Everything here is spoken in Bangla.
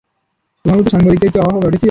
তোমার মত সাংবাদিকের কী অভাব হবে?